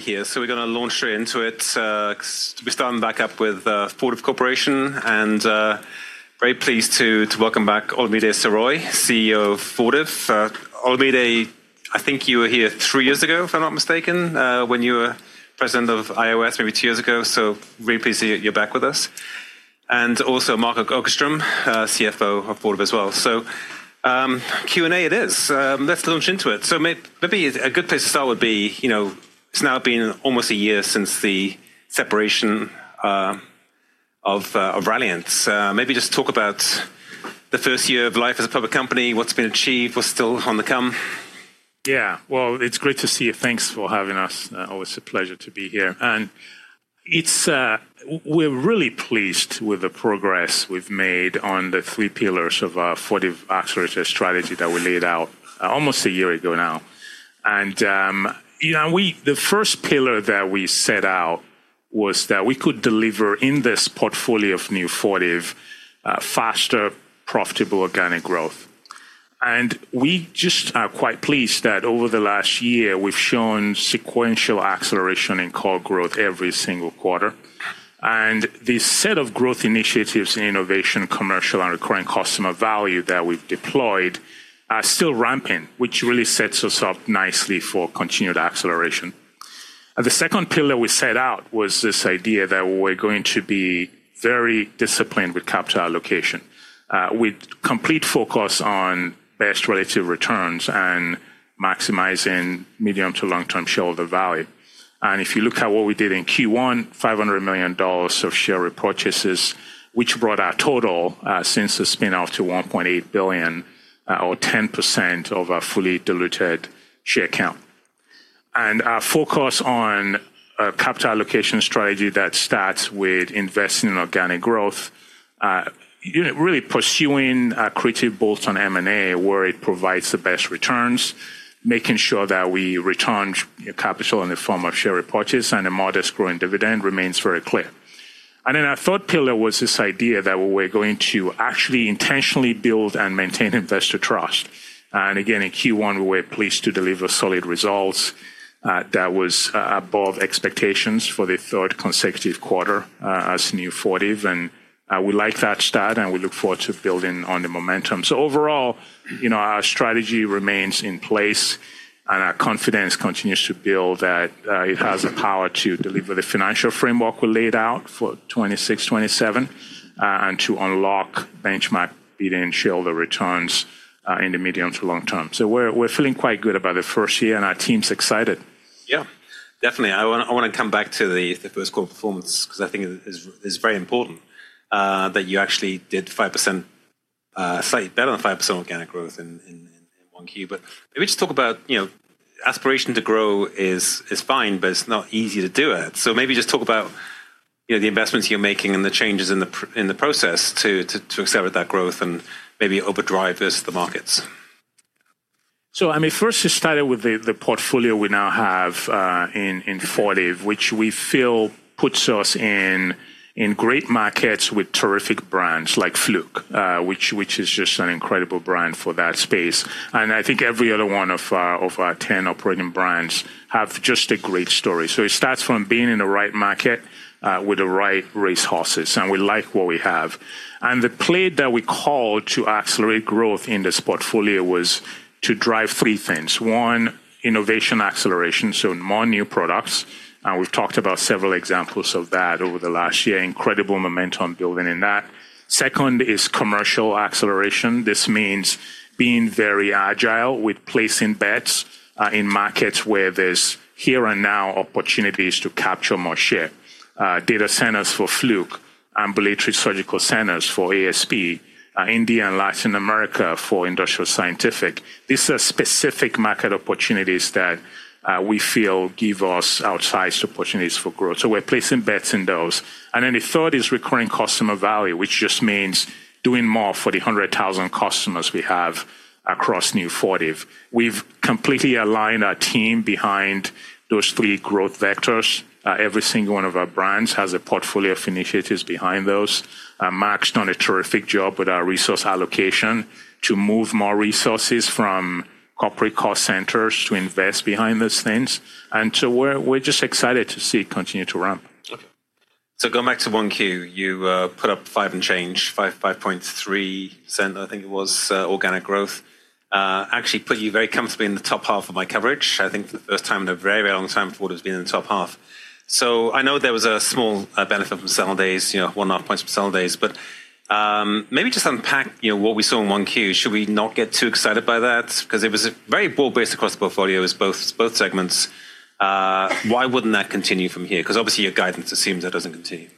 Little late here, we're gonna launch straight into it. To be starting back up with Fortive Corporation, very pleased to welcome back Olumide Soroye, CEO of Fortive. Olumide, I think you were here three years ago, if I'm not mistaken, when you were President of IOS maybe two years ago. Very pleased you're back with us. Also Mark Okerstrom, CFO of Fortive as well. Q&A it is. Let's launch into it. Maybe a good place to start would be, you know, it's now been almost a year since the separation of Ralliant. Maybe just talk about the first year of life as a public company, what's been achieved, what's still on the come. Yeah. Well, it's great to see you. Thanks for having us. Always a pleasure to be here. It's, we're really pleased with the progress we've made on the three pillars of our Fortive Accelerated strategy that we laid out almost a year ago now. You know, the first pillar that we set out was that we could deliver in this portfolio of new Fortive, faster, profitable organic growth. We just are quite pleased that over the last year we've shown sequential acceleration in core growth every single quarter. The set of growth initiatives in innovation, commercial, and recurring customer value that we've deployed are still ramping, which really sets us up nicely for continued acceleration. The second pillar we set out was this idea that we're going to be very disciplined with capital allocation, with complete focus on best relative returns and maximizing medium to long-term shareholder value. If you look at what we did in Q1, $500 million of share repurchases, which brought our total since the spin-off to $1.8 billion, or 10% of our fully diluted share count. Our focus on a capital allocation strategy that starts with investing in organic growth, you know, really pursuing accretive bolt-on M&A where it provides the best returns, making sure that we return capital in the form of share repurchase and a modest growing dividend remains very clear. Our third pillar was this idea that we're going to actually intentionally build and maintain investor trust. Again, in Q1 we were pleased to deliver solid results that was above expectations for the third consecutive quarter as new Fortive. We like that start, and we look forward to building on the momentum. Overall, you know, our strategy remains in place, and our confidence continues to build that it has the power to deliver the financial framework we laid out for 2026, 2027, and to unlock benchmark leading shareholder returns in the medium to long term. We're feeling quite good about the first year, and our team's excited. Yeah. Definitely. I wanna come back to the first quarter performance 'cause I think it is very important that you actually did 5%, slightly better than 5% organic growth in 1Q. Maybe just talk about, you know, aspiration to grow is fine, but it's not easy to do it. Maybe just talk about, you know, the investments you're making and the changes in the process to accelerate that growth and maybe overdrive versus the markets. I mean, first just starting with the portfolio we now have in Fortive, which we feel puts us in great markets with terrific brands like Fluke, which is just an incredible brand for that space. I think every other one of our 10 operating brands have just a great story. It starts from being in the right market with the right resources, and we like what we have. The play that we called to accelerate growth in this portfolio was to drive three things. One, innovation acceleration, so more new products, and we've talked about several examples of that over the last year. Incredible momentum building in that. Second is commercial acceleration. This means being very agile with placing bets in markets where there's here and now opportunities to capture more share. Data centers for Fluke, ambulatory surgical centers for ASP, India and Latin America for Industrial Scientific. These are specific market opportunities that we feel give us outsized opportunities for growth. We're placing bets in those. The third is recurring customer value, which just means doing more for the 100,000 customers we have across new Fortive. We've completely aligned our team behind those three growth vectors. Every single one of our brands has a portfolio of initiatives behind those. Mark's done a terrific job with our resource allocation to move more resources from corporate cost centers to invest behind those things. We're just excited to see it continue to ramp. Okay. going back to 1Q, you put up five and change, 5.3%, I think it was organic growth. actually put you very comfortably in the top half of my coverage, I think for the first time in a very, very long time Fortive's been in the top half. I know there was a small benefit from sell days, you know, 1.5 points from sell days. maybe just unpack, you know, what we saw in 1Q. Should we not get too excited by that? Because it was very broad-based across the portfolio. It's both segments. why wouldn't that continue from here? Because obviously your guidance assumes that doesn't continue.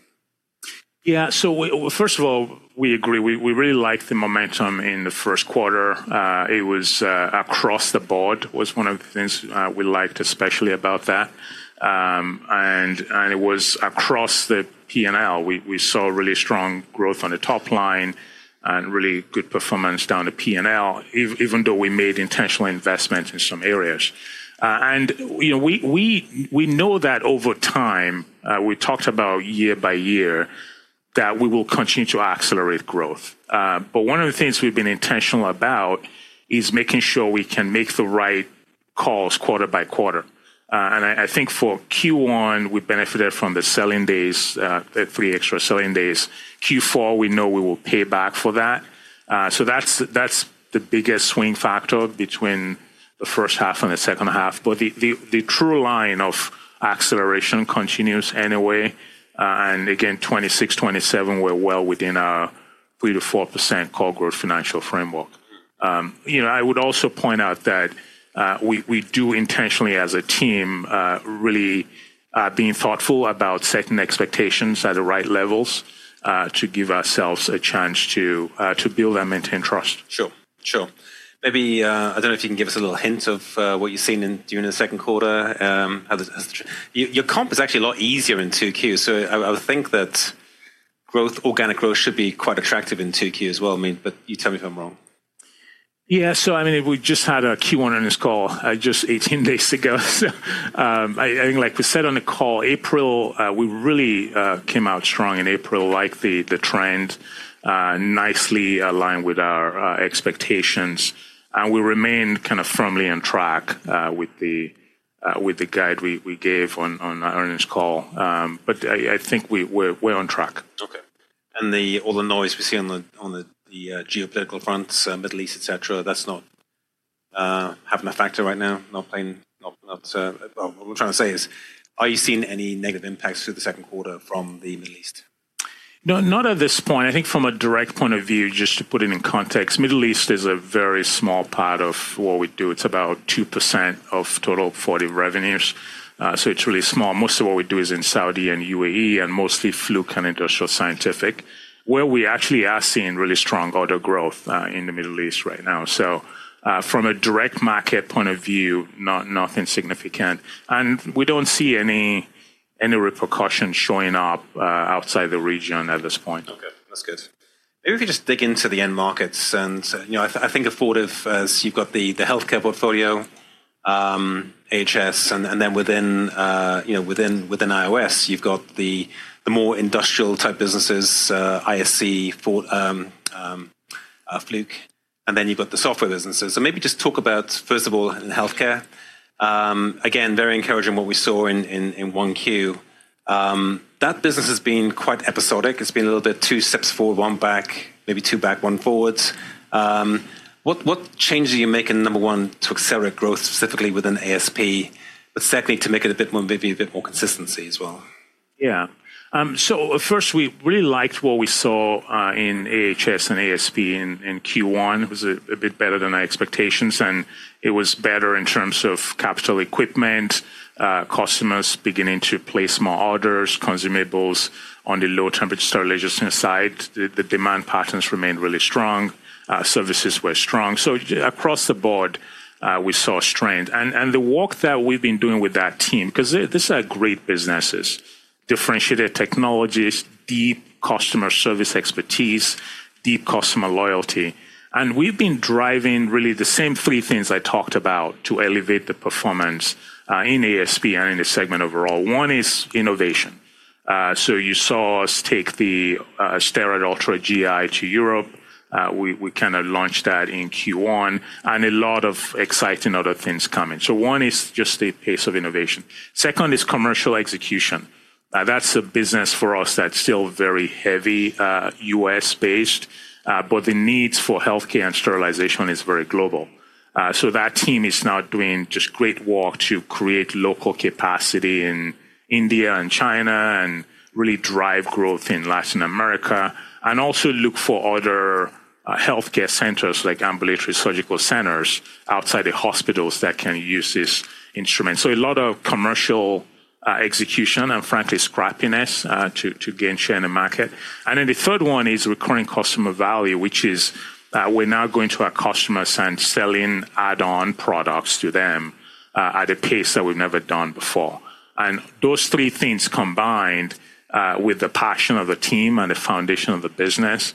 Yeah. First of all, we agree. We really like the momentum in the first quarter. It was across the board, was one of the things we liked especially about that. It was across the P&L. We saw really strong growth on the top line and really good performance down the P&L, even though we made intentional investments in some areas. You know, we know that over time, we talked about year by year that we will continue to accelerate growth. One of the things we've been intentional about is making sure we can make the right calls quarter by quarter. I think for Q1, we benefited from the selling days, the three extra selling days. Q4, we know we will pay back for that. That's the biggest swing factor between the first half and the second half. The true line of acceleration continues anyway. Again, 2026, 2027, we're well within our 3%-4% core growth financial framework. You know, I would also point out that we do intentionally as a team, really being thoughtful about setting expectations at the right levels to give ourselves a chance to build and maintain trust. Sure. Sure. Maybe, I don't know if you can give us a little hint of what you're seeing during the second quarter, how Your comp is actually a lot easier in 2Q, I would think that growth, organic growth should be quite attractive in 2Q as well. I mean, you tell me if I'm wrong. Yeah. I mean, we just had our Q1 earnings call, just 18 days ago. I think like we said on the call, April, we really came out strong in April, liked the trend, nicely aligned with our expectations, and we remain kind of firmly on track with the guide we gave on our earnings call. I think we're on track. Okay. All the noise we're seeing on the geopolitical fronts, Middle East, et cetera, that's not having a factor right now? Well, what we're trying to say is, are you seeing any negative impacts through the second quarter from the Middle East? No, not at this point. I think from a direct point of view, just to put it in context, Middle East is a very small part of what we do. It's about 2% of total Fortive revenues. It's really small. Most of what we do is in Saudi and UAE and mostly Fluke and Industrial Scientific, where we actually are seeing really strong order growth in the Middle East right now. From a direct market point of view, nothing significant. We don't see any repercussions showing up outside the region at this point. Okay. That's good. Maybe if you just dig into the end markets, you know, I think Fortive as you've got the healthcare portfolio, AHS, and then within IOS, you've got the more industrial-type businesses, ASP, Fluke, and then you've got the software businesses. Maybe just talk about, first of all, in healthcare. Again, very encouraging what we saw in 1Q. That business has been quite episodic. It's been a little bit two steps forward, one back, maybe two back, one forwards. What changes are you making, number one, to accelerate growth specifically within ASP, but secondly, to make it a bit more consistency as well? First, we really liked what we saw in AHS and ASP in Q1. It was a bit better than our expectations, and it was better in terms of capital equipment, customers beginning to place more orders, consumables. On the low-temperature sterilization side, the demand patterns remained really strong. Services were strong. Across the board, we saw strength. The work that we've been doing with that team, 'cause these are great businesses, differentiated technologies, deep customer service expertise, deep customer loyalty. We've been driving really the same three things I talked about to elevate the performance in ASP and in the segment overall. One is innovation. You saw us take the STERRAD Ultra GI to Europe. We kinda launched that in Q1, a lot of exciting other things coming. One is just the pace of innovation. Second is commercial execution. That's a business for us that's still very heavy, U.S.-based, but the needs for healthcare and sterilization is very global. That team is now doing just great work to create local capacity in India and China and really drive growth in Latin America and also look for other healthcare centers like ambulatory surgical centers outside the hospitals that can use these instruments. A lot of commercial execution and frankly scrappiness to gain share in the market. The third one is recurring customer value, which is, we're now going to our customers and selling add-on products to them at a pace that we've never done before. Those three things combined with the passion of the team and the foundation of the business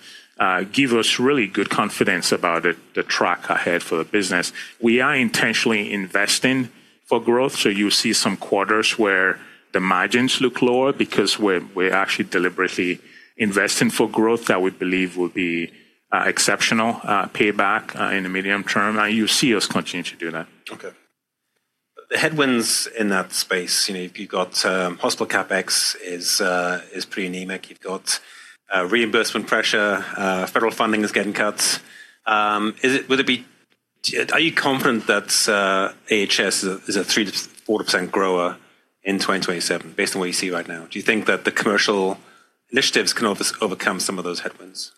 give us really good confidence about the track ahead for the business. We are intentionally investing for growth, you see some quarters where the margins look lower because we're actually deliberately investing for growth that we believe will be exceptional payback in the medium term, and you'll see us continue to do that. The headwinds in that space, you know, if you've got hospital CapEx is pretty anemic. You've got reimbursement pressure, federal funding is getting cuts. Are you confident that AHS is a 3%-4% grower in 2027 based on what you see right now? Do you think that the commercial initiatives can overcome some of those headwinds?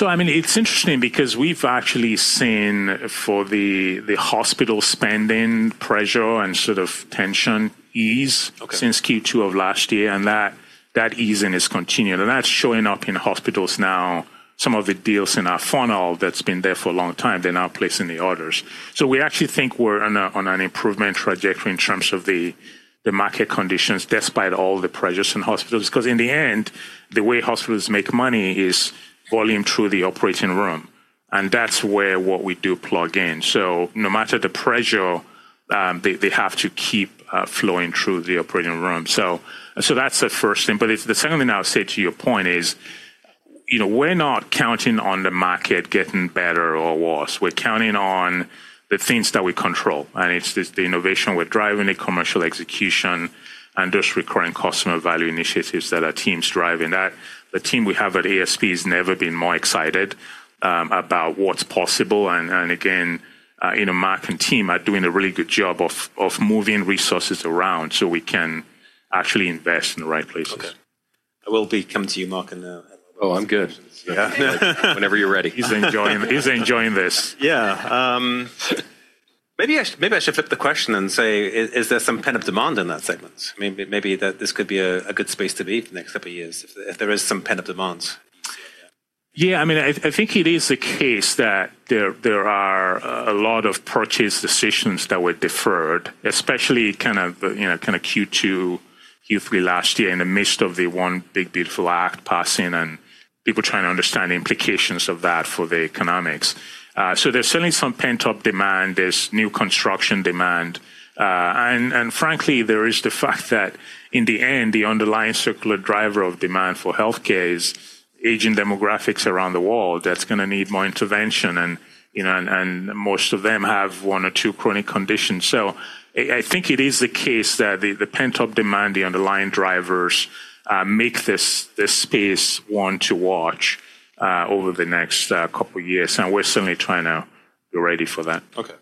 I mean, it's interesting because we've actually seen for the hospital spending pressure and sort of tension ease— Okay. Since Q2 of last year. That easing is continuing. That's showing up in hospitals now. Some of the deals in our funnel that's been there for a long time, they're now placing the orders. We actually think we're on an improvement trajectory in terms of the market conditions despite all the pressures in hospitals. Because in the end, the way hospitals make money is volume through the operating room. That's where what we do plug in. No matter the pressure, they have to keep flowing through the operating room. That's the first thing. The second thing I'll say to your point is, you know, we're not counting on the market getting better or worse. We're counting on the things that we control, it's just the innovation we're driving, the commercial execution, and those recurring customer value initiatives that our team's driving. The team we have at ASP has never been more excited about what's possible and again, you know, Mark and team are doing a really good job of moving resources around so we can actually invest in the right places. Okay. I will be coming to you, Mark. Oh, I'm good. Yeah. Whenever you're ready. He's enjoying this. Yeah. maybe I should flip the question and say, is there some pent-up demand in that segment? maybe this could be a good space to be the next two years if there is some pent-up demands. Yeah, I mean, I think it is the case that there are a lot of purchase decisions that were deferred, especially kind of, you know, kind of Q2, Q3 last year in the midst of the One Big Beautiful Bill Act passing and people trying to understand the implications of that for the economics. There's certainly some pent-up demand. There's new construction demand. And frankly, there is the fact that in the end, the underlying circular driver of demand for healthcare is aging demographics around the world that's gonna need more intervention and, you know, and most of them have one or two chronic conditions. I think it is the case that the pent-up demand, the underlying drivers make this space one to watch over the next couple years, and we're certainly trying to be ready for that. Okay.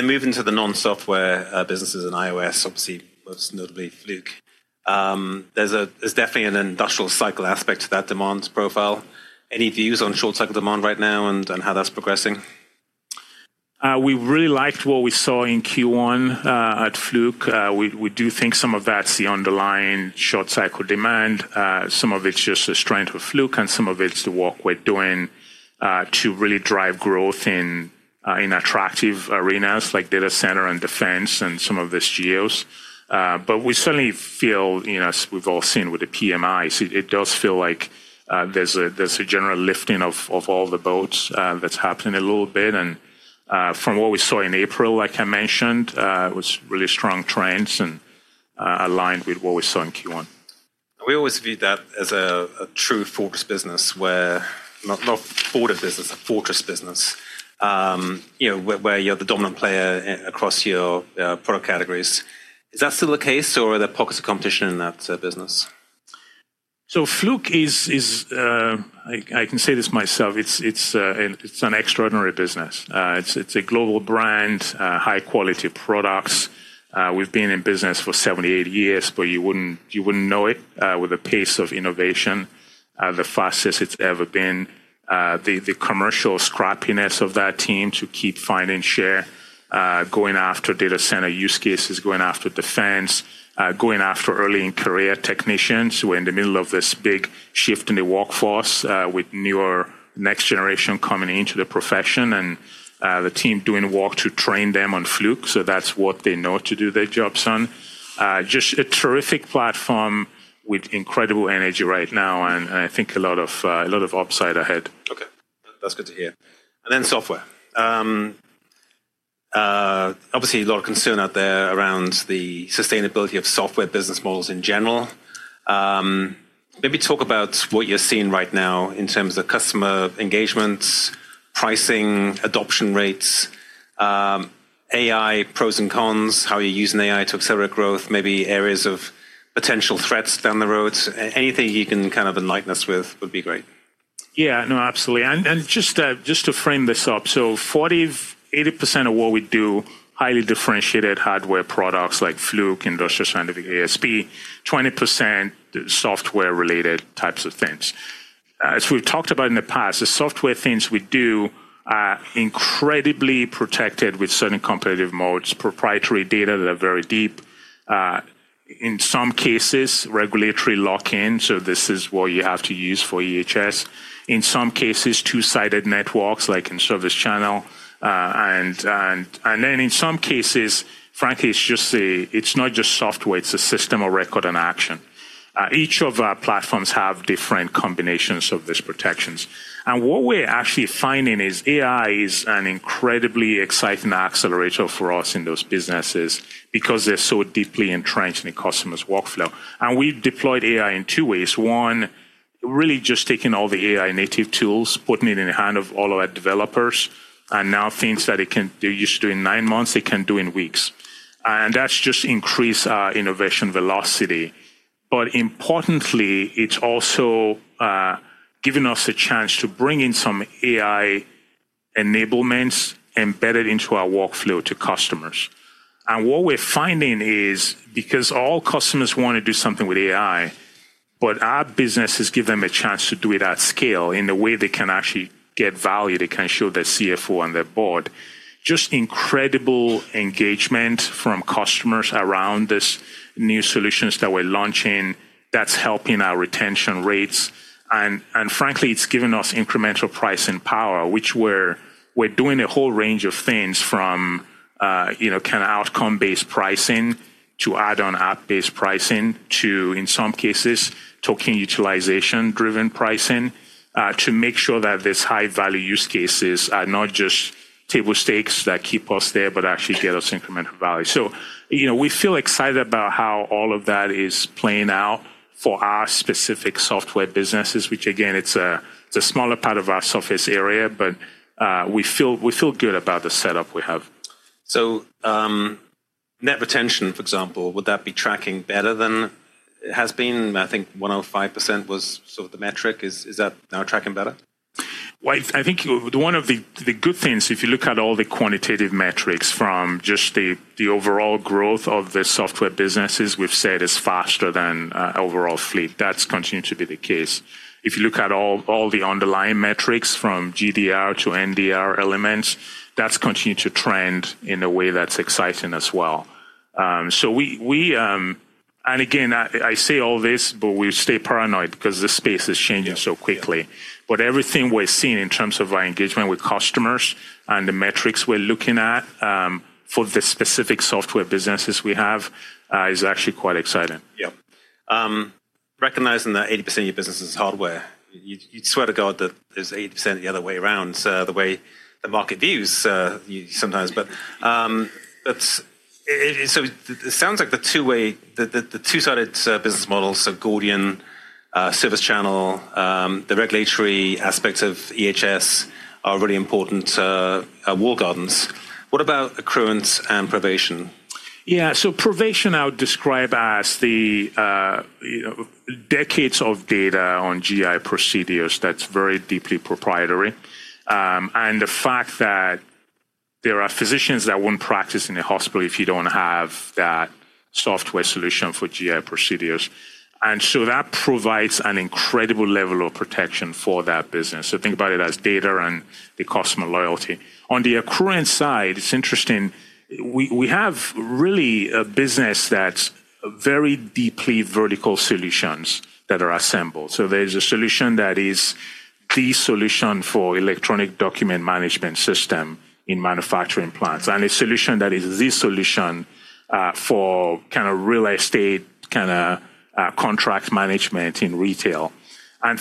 Moving to the non-software businesses in IOS, obviously, most notably Fluke. There's definitely an industrial cycle aspect to that demand profile. Any views on short-cycle demand right now and how that's progressing? We really liked what we saw in Q1 at Fluke. We do think some of that's the underlying short-cycle demand. Some of it's just the strength of Fluke, and some of it's the work we're doing to really drive growth in attractive arenas like data center and defense and some of these geos. We certainly feel, you know, as we've all seen with the PMI, it does feel like there's a general lifting of all the boats that's happening a little bit. From what we saw in April, like I mentioned, it was really strong trends and aligned with what we saw in Q1. We always viewed that as a true fortress business not a border business, a fortress business. you know, where you're the dominant player across your product categories. Is that still the case, or are there pockets of competition in that business? Fluke is an extraordinary business. It's a global brand, high-quality products. We've been in business for 78 years, but you wouldn't know it with the pace of innovation, the fastest it's ever been. The commercial scrappiness of that team to keep finding share, going after data center use cases, going after defense, going after early-in-career technicians who are in the middle of this big shift in the workforce, with newer next generation coming into the profession and the team doing work to train them on Fluke, that's what they know to do their jobs on. Just a terrific platform with incredible energy right now and I think a lot of upside ahead. Okay. That's good to hear. Then software. Obviously a lot of concern out there around the sustainability of software business models in general. Maybe talk about what you're seeing right now in terms of customer engagements, pricing, adoption rates, AI pros and cons, how you're using AI to accelerate growth, maybe areas of potential threats down the road. Anything you can kind of enlighten us with would be great. Yeah, no, absolutely. Just to frame this up, Fortive, 80% of what we do, highly differentiated hardware products like Fluke, Industrial Scientific, ASP, 20% software-related types of things. As we've talked about in the past, the software things we do are incredibly protected with certain competitive modes, proprietary data that are very deep, in some cases, regulatory lock-in, so this is what you have to use for AHS. In some cases, two-sided networks like in ServiceChannel. In some cases, frankly, it's not just software, it's a system of record and action. Each of our platforms have different combinations of these protections. What we're actually finding is AI is an incredibly exciting accelerator for us in those businesses because they're so deeply entrenched in the customer's workflow. We've deployed AI in two ways. One, really just taking all the AI native tools, putting it in the hand of all of our developers, and now things that they used to do in nine months, they can do in weeks. That's just increased our innovation velocity. Importantly, it's also given us a chance to bring in some AI enablements embedded into our workflow to customers. What we're finding is because all customers wanna do something with AI, but our businesses give them a chance to do it at scale in a way they can actually get value, they can show their CFO and their board. Just incredible engagement from customers around these new solutions that we're launching that's helping our retention rates. Frankly, it's given us incremental pricing power, which we're doing a whole range of things from, you know, kind of outcome-based pricing to add-on app-based pricing to, in some cases, token utilization-driven pricing, to make sure that these high-value use cases are not just table stakes that keep us there, but actually get us incremental value. You know, we feel excited about how all of that is playing out for our specific software businesses, which again, it's a, it's a smaller part of our surface area, but we feel good about the setup we have. Net retention, for example, would that be tracking better than it has been? I think 105% was sort of the metric. Is that now tracking better? Well, I think one of the good things, if you look at all the quantitative metrics from just the overall growth of the software businesses, we've said is faster than overall fleet. That's continued to be the case. If you look at all the underlying metrics from GDR to NDR elements, that's continued to trend in a way that's exciting as well. Again, I say all this, we stay paranoid 'cause the space is changing so quickly. Everything we're seeing in terms of our engagement with customers and the metrics we're looking at, for the specific software businesses we have, is actually quite exciting. Yeah. Recognizing that 80% of your business is hardware, you'd swear to God that it's 80% the other way around, so the way the market views you sometimes. It sounds like the two-way, the two-sided business models, so Gordian, ServiceChannel, the regulatory aspects of AHS are really important to wall gardens. What about Accruent and Provation? Yeah. Provation I would describe as the, you know, decades of data on GI procedures that's very deeply proprietary. The fact that there are physicians that won't practice in a hospital if you don't have that software solution for GI procedures. That provides an incredible level of protection for that business. Think about it as data and the customer loyalty. On the Accruent side, it's interesting. We have really a business that's very deeply vertical solutions that are assembled. There's a solution that is the solution for electronic document management system in manufacturing plants, and a solution that is the solution for kinda real estate, kinda, contract management in retail.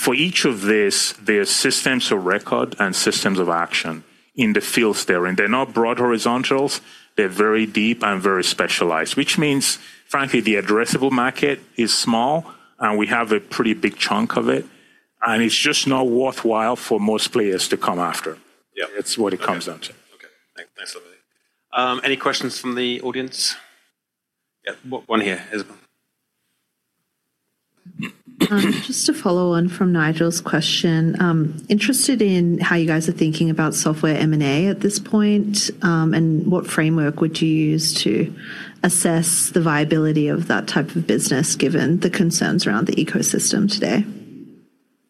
For each of this, there are systems of record and systems of action in the fields they're in. They're not broad horizontals, they're very deep and very specialized, which means, frankly, the addressable market is small, and we have a pretty big chunk of it, and it's just not worthwhile for most players to come after. Yeah. That's what it comes down to. Okay. Thanks. Thanks for that. Any questions from the audience? Yeah. One here, Isabel. Just to follow on from Nigel's question, interested in how you guys are thinking about software M&A at this point, and what framework would you use to assess the viability of that type of business given the concerns around the ecosystem today?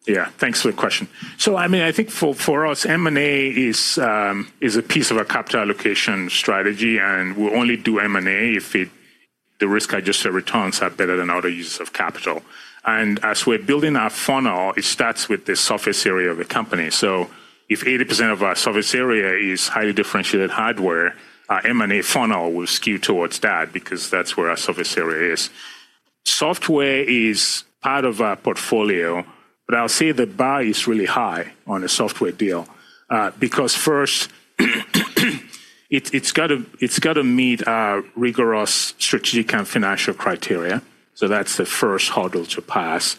Yeah. Thanks for the question. I mean, I think for us, M&A is a piece of our capital allocation strategy, and we only do M&A if the risk-adjusted returns are better than other uses of capital. As we're building our funnel, it starts with the surface area of the company. If 80% of our surface area is highly differentiated hardware, our M&A funnel will skew towards that because that's where our surface area is. Software is part of our portfolio, but I'll say the bar is really high on a software deal because first, it's gotta meet our rigorous strategic and financial criteria. That's the first hurdle to pass.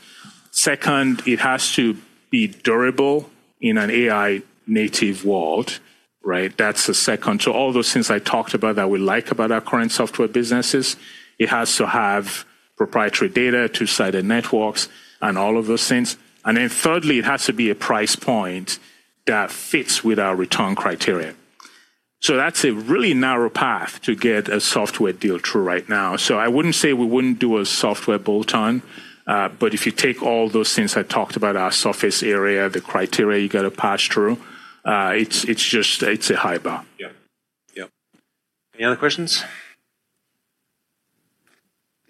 Second, it has to be durable in an AI native world, right? That's the second. All those things I talked about that we like about our current software businesses, it has to have proprietary data, two-sided networks, and all of those things. Thirdly, it has to be a price point that fits with our return criteria. That's a really narrow path to get a software deal through right now. I wouldn't say we wouldn't do a software bolt-on, but if you take all those things I talked about, our surface area, the criteria you gotta pass through, it's just, it's a high bar. Yeah. Yeah. Any other questions?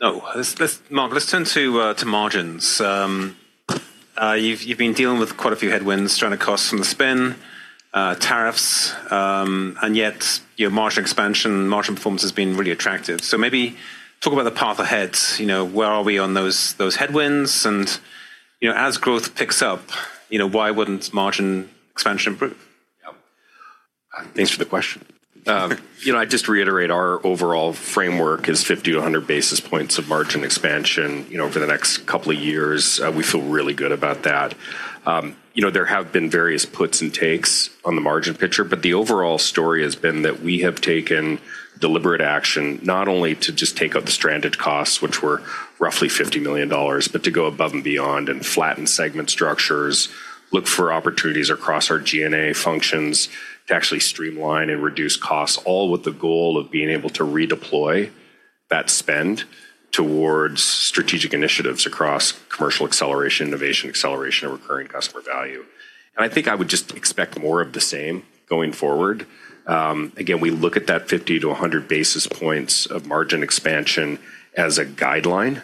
No. Mark, let's turn to margins. You've been dealing with quite a few headwinds, stranded costs from the spin, tariffs, yet your margin expansion, margin performance has been really attractive. Maybe talk about the path ahead, you know, where are we on those headwinds and, you know, as growth picks up, you know, why wouldn't margin expansion improve? Yeah. Thanks for the question. You know, I'd just reiterate our overall framework is 50-100 basis points of margin expansion, you know, over the next couple of years. We feel really good about that. You know, there have been various puts and takes on the margin picture, but the overall story has been that we have taken deliberate action, not only to just take out the stranded costs, which were roughly $50 million, but to go above and beyond and flatten segment structures, look for opportunities across our G&A functions to actually streamline and reduce costs, all with the goal of being able to redeploy that spend towards strategic initiatives across commercial acceleration, innovation acceleration, and recurring customer value. I think I would just expect more of the same going forward. Again, we look at that 50-100 basis points of margin expansion as a guideline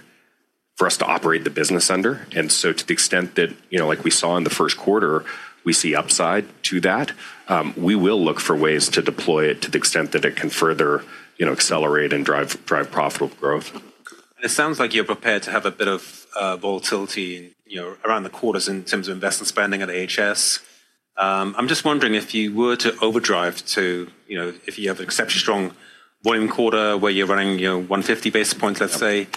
for us to operate the business under. To the extent that, you know, like we saw in the first quarter, we see upside to that, we will look for ways to deploy it to the extent that it can further, you know, accelerate and drive profitable growth. It sounds like you're prepared to have a bit of volatility, you know, around the quarters in terms of investment spending at AHS. I'm just wondering if you were to overdrive to, you know, if you have exceptionally strong volume quarter where you're running, you know, 150 basis points, let's say,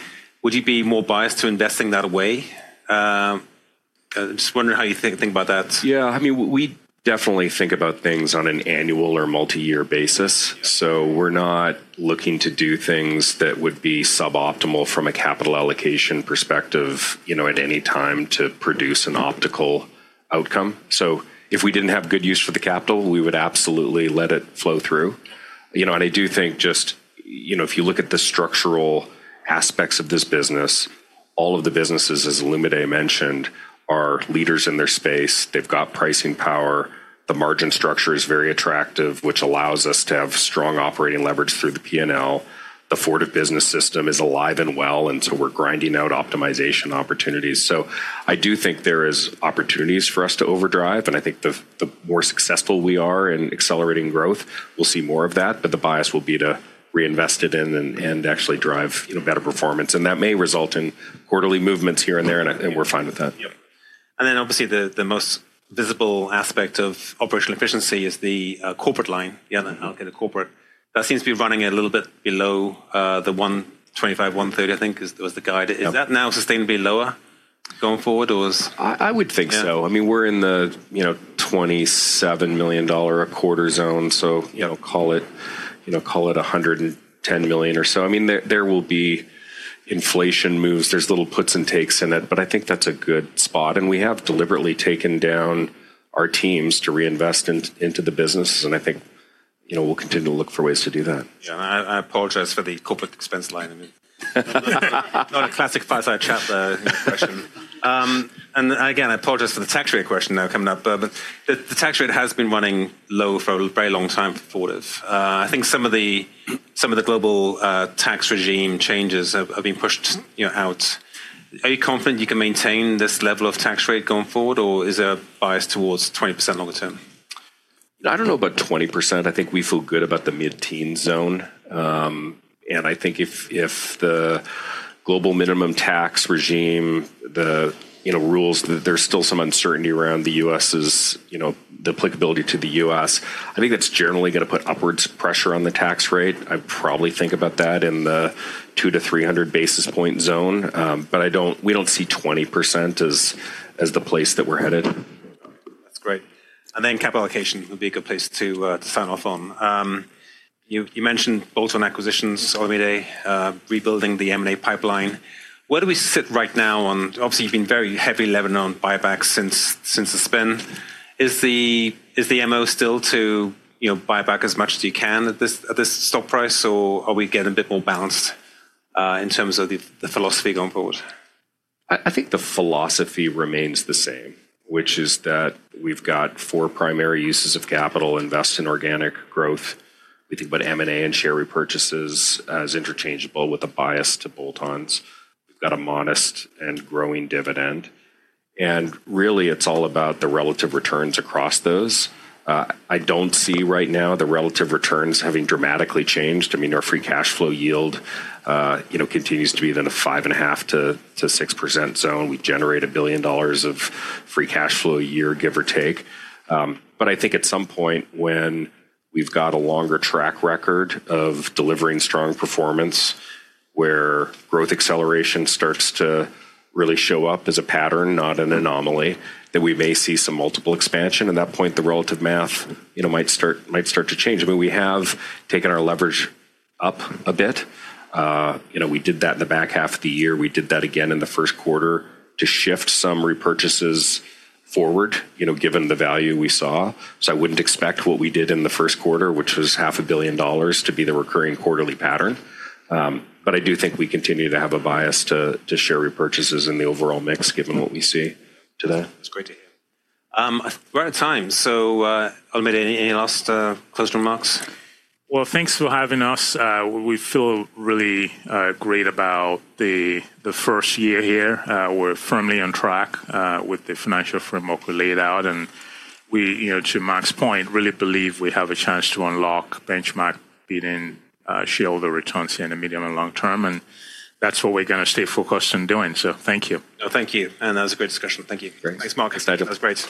would you be more biased to investing that away? I just wonder how you think about that? Yeah, I mean, we definitely think about things on an annual or multi-year basis. Yeah. We're not looking to do things that would be suboptimal from a capital allocation perspective, you know, at any time to produce an optimal outcome. If we didn't have good use for the capital, we would absolutely let it flow through. I do think, if you look at the structural aspects of this business, all of the businesses, as Olumide mentioned, are leaders in their space. They've got pricing power. The margin structure is very attractive, which allows us to have strong operating leverage through the P&L. The Fortive Business System is alive and well, we're grinding out optimization opportunities. I do think there is opportunities for us to overdrive, and I think the more successful we are in accelerating growth, we'll see more of that. The bias will be to reinvest it in and actually drive, you know, better performance, and that may result in quarterly movements here and there, and we're fine with that. Yep. Obviously the most visible aspect of operational efficiency is the corporate line. Yeah. Okay, the corporate. That seems to be running a little bit below the $125 million, $130 million, I think is, was the guide. Yep. Is that now sustainably lower going forward, or is I would think so. Yeah. I mean, we're in the, you know, $27 million a quarter zone, so, you know, call it, you know, call it $110 million or so. I mean, there will be inflation moves. There's little puts and takes in it, but I think that's a good spot. We have deliberately taken down our teams to reinvest into the business, and I think, you know, we'll continue to look for ways to do that. Yeah, I apologize for the corporate expense line item. Not a classic fireside chat question. Again, I apologize for the tax rate question now coming up, but the tax rate has been running low for a very long time for Fortive. I think some of the global tax regime changes have been pushed, you know, out. Are you confident you can maintain this level of tax rate going forward, or is there a bias towards 20% longer term? I don't know about 20%. I think we feel good about the mid-teen zone. I think if the global minimum tax regime, the, you know, rules There's still some uncertainty around the U.S.'s, you know, the applicability to the U.S. I think that's generally gonna put upwards pressure on the tax rate. I probably think about that in the 200-300 basis points zone. We don't see 20% as the place that we're headed. That's great. Then capital allocation would be a good place to sign off on. You mentioned bolt-on acquisitions, Olumide, rebuilding the M&A pipeline. Where do we sit right now on Obviously, you've been very heavily levering on buybacks since the spin. Is the MO still to, you know, buy back as much as you can at this stock price, or are we getting a bit more balanced in terms of the philosophy going forward? I think the philosophy remains the same, which is that we've got four primary uses of capital: invest in organic growth. We think about M&A and share repurchases as interchangeable with a bias to bolt-ons. We've got a modest and growing dividend. Really, it's all about the relative returns across those. I don't see right now the relative returns having dramatically changed. I mean, our free cash flow yield, you know, continues to be in the 5.5%-6% zone. We generate $1 billion of free cash flow a year, give or take. I think at some point when we've got a longer track record of delivering strong performance, where growth acceleration starts to really show up as a pattern, not an anomaly, then we may see some multiple expansion. At that point, the relative math, you know, might start to change. I mean, we have taken our leverage up a bit. You know, we did that in the back half of the year. We did that again in the first quarter to shift some repurchases forward, you know, given the value we saw. I wouldn't expect what we did in the first quarter, which was $0.5 billion, to be the recurring quarterly pattern. I do think we continue to have a bias to share repurchases in the overall mix, given what we see today. That's great to hear. We're out of time, so, Olumide, any last closing remarks? Well, thanks for having us. We feel really great about the first year here. We're firmly on track with the financial framework we laid out. We, you know, to Mark's point, really believe we have a chance to unlock benchmark-beating shareholder returns here in the medium and long term. That's what we're gonna stay focused on doing. Thank you. No, thank you. That was a great discussion. Thank you. Thanks. Thanks, Mark. My pleasure. That was great.